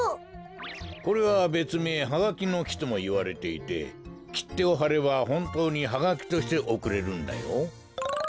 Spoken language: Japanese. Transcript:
これはべつめいハガキの木ともいわれていてきってをはればほんとうにハガキとしておくれるんだよ。